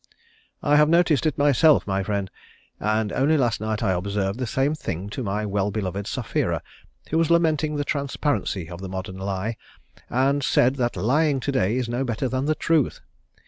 "I have noticed it myself, my friend, and only last night I observed the same thing to my well beloved Sapphira, who was lamenting the transparency of the modern lie, and said that lying to day is no better than the truth.